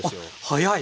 早い！